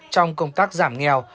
trong công tác giảm nghèo